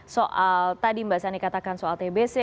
soal tadi mbak sani katakan soal tbc